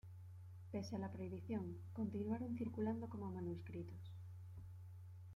Pese a la prohibición, continuaron circulando como manuscritos.